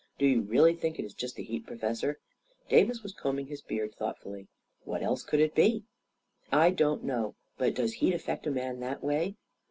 Do you really think it is just the heat, Professor? " Davis was combing his beard thoughtfully. " What else could it be ?" he asked. " I don't know. But does heat affect a man that way?"